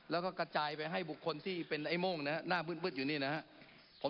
แล้วก็กระจายไปให้บุคคลที่เป็นไอ้โม่งนะครับหน้ามืดอยู่นี่นะครับ